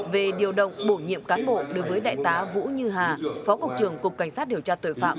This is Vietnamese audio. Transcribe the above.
về điều động bổ nhiệm cán bộ đối với đại tá vũ như hà phó cục trưởng cục cảnh sát điều tra tội phạm